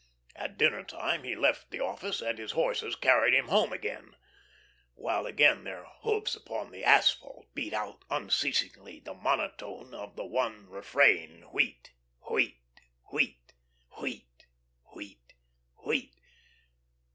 At dinner time he left the office, and his horses carried him home again, while again their hoofs upon the asphalt beat out unceasingly the monotone of the one refrain, "Wheat wheat wheat, wheat wheat wheat."